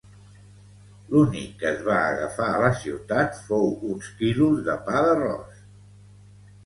L'únic que es va agafar a la ciutat fou uns quilos de pa d'arròs.